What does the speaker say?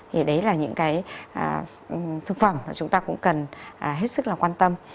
thì đấy là những cái thực phẩm mà chúng ta cũng cần hết sức là quan tâm